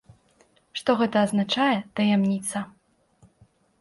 Што гэта азначае, таямніца.